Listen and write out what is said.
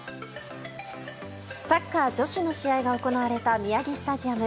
サッカー女子の試合が行われた宮城スタジアム。